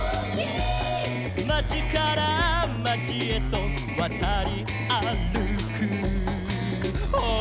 「まちからまちへとわたりあるく」「」